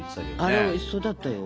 あれおいしそうだったよ。